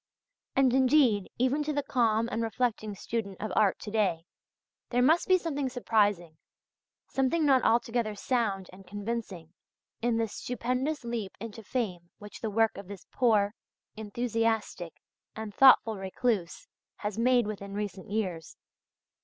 And, indeed, even to the calm and reflecting student of art to day, there must be something surprising, something not altogether sound and convincing, in this stupendous leap into fame which the work of this poor, enthusiastic, and thoughtful recluse, has made within recent years.